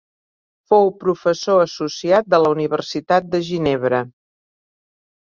Fou professor associat de la Universitat de Ginebra.